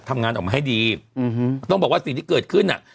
ทำงานออกมาให้ดีอืมต้องบอกว่าสิ่งที่เกิดขึ้นอ่ะ